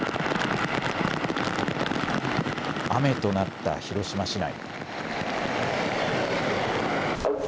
雨となった広島市内。